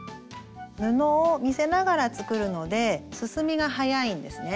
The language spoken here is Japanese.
布を見せながら作るので進みが速いんですね。